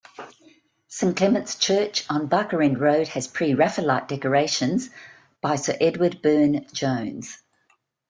Saint Clement's Church on Barkerend Road has Pre-Raphaelite decorations by Sir Edward Burne-Jones.